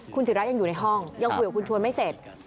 คุณศิรายังอยู่ในห้องยังคุยกับคุณชวนไม่เสร็จ